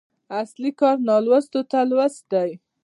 اصلي کار نالوستو ته لوست دی.